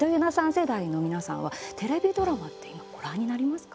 世代の皆さんはテレビドラマってご覧になりますか。